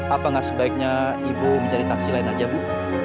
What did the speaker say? apa enggak sebaiknya ibu mencari taksi lain aja bu